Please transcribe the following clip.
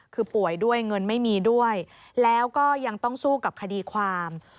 คือป่วยด้วยเงินไม่มีด้วยแล้วก็ยังต้องสู้กับคดีความ